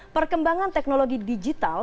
perkembangan teknologi digital